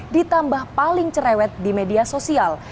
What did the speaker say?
ditambah paling cerewet di media sosial